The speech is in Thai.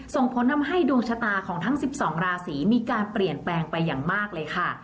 ส่งผลทำให้ดวงชะตาของทั้ง๑๒ราศีมีการเปลี่ยนแปลงไปอย่างมากเลยค่ะ